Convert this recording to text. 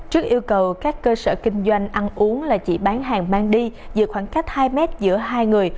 trước yêu cầu các cơ sở kinh doanh ăn uống là chỉ bán hàng mang đi giữa khoảng cách hai mét giữa hai người